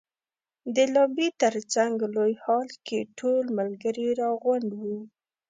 د لابي تر څنګ لوی هال کې ټول ملګري را غونډ وو.